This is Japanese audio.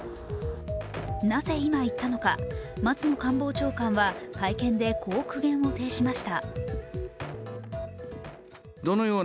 なぜ今、行ったのか、松野官房長官は会見でこう苦言を呈しました。